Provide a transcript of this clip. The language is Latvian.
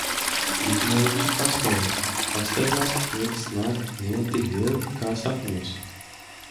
Izņēmums ir pastaigas. Pastaigās lietas nāk un iet tik viegli, kā sapņos.